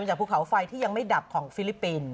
จากภูเขาไฟที่ยังไม่ดับของฟิลิปปินส์